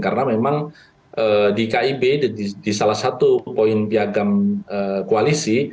karena memang di kib di salah satu poin piagam koalisi